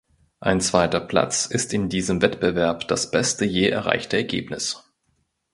Ein zweiter Platz ist in diesem Wettbewerb das beste je erreichte Ergebnis.